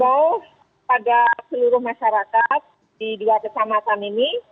kami himbau pada seluruh masyarakat di dua kesamatan ini